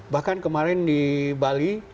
bahkan kemarin di bali